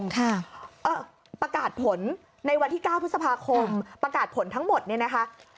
ค่ะประกาศผลในวันที่๙พฤษภาคมประกาศผลทั้งหมดเนี่ยนะคะ